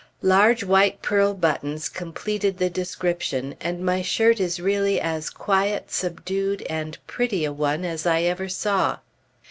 Large white pearl buttons completed the description, and my shirt is really as quiet, subdued, and pretty a one as I ever saw.